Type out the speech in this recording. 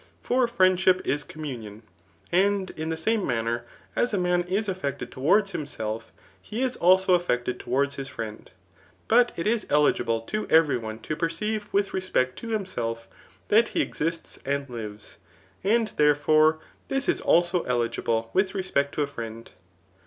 For friendship is communion. And in the same manner as a man is affected towards himself, lie is also affected towards his friend. But it is eli^le to every one to perceive with respect to himself, [that he exists and lives ;] and, therefore, this is also eligible with respect to a friend.